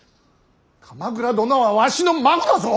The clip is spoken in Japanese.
鎌倉殿はわしの孫だぞ！